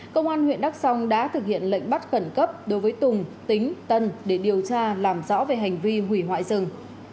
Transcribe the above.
công an huyện đắk song đã thực hiện lệnh bắt khẩn cấp đối với tùng tính tân để điều tra làm rõ về hành vi hủy hoại rừng